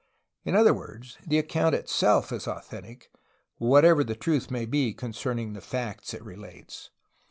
In other words, the account itself is authentic, whatever the truth may be concerning the facts it relates.